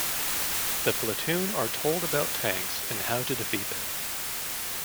The platoon are told about tanks and how to defeat then.